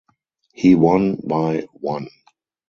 He won by one.